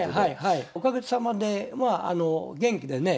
おかげさまでまあ元気でねえ。